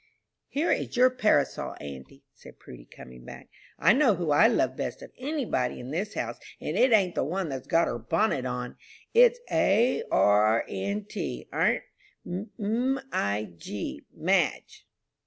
"Here is your parasol, auntie," said Prudy, coming back. "I know who I love best of any body in this house, and it ain't the one that's got her bonnet on it's a r n t, aunt, M i g, Madge."